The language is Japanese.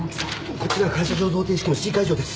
こっちが感謝状贈呈式のＣ会場です。